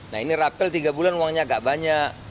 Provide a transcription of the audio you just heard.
nah ini rapel tiga bulan uangnya agak banyak